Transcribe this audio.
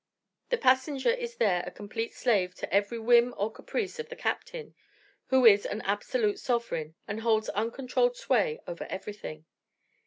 The passenger is there a complete slave to every whim or caprice of the captain, who is an absolute sovereign and holds uncontrolled sway over everything.